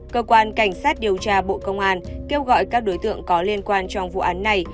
cơ quan cảnh sát điều tra bộ công an kêu gọi các đối tượng có liên quan trong vụ án này